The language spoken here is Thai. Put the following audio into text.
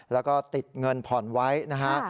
แล้วก็ติดเงินผ่อนไว้นะฮะ